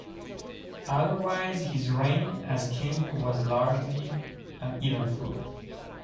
Otherwise, his reign as king was largely uneventful.